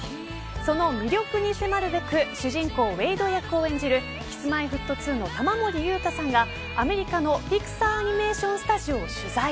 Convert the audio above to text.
その魅力に迫るべく主人公ウェイド役を演じるＫｉｓ‐Ｍｙ‐Ｆｔ２の玉森裕太さんがアメリカのピクサー・アニメーション・スタジオを取材。